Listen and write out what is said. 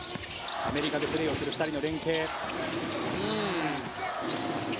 アメリカでプレーをする２人の連係。